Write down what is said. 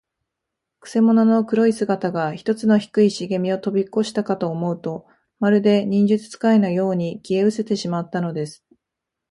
くせ者の黒い姿が、ひとつの低いしげみをとびこしたかと思うと、まるで、忍術使いのように、消えうせてしまったのです。